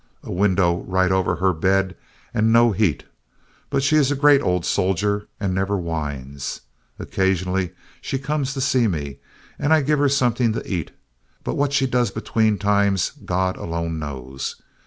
A window right over her bed and no heat. But she is a great old soldier and never whines. Occasionally she comes to see me, and I give her something to eat, but what she does between times God alone knows.